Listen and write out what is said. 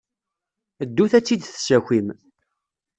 Ddut ad tt-id-tessakim.